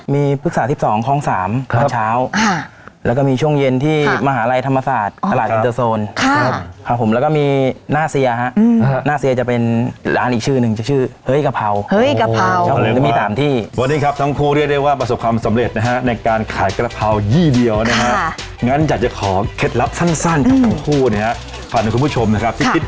มีภึกษาที่สองคลองสามครับพันเช้าอ่ะแล้วก็มีช่วงเย็นที่ค่ะ